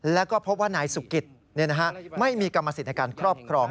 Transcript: แล้วก็พบว่านายสุกิตไม่มีกรรมสิทธิ์ในการครอบครอง